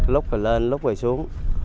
lúc hồi lên lúc hồi xuống